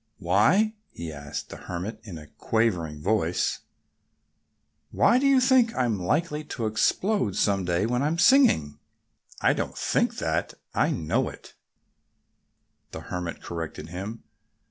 "Why" he asked the Hermit in a quavering voice "why do you think I'm likely to explode some day when I'm singing?" "I don't think that. I know it," the Hermit corrected him.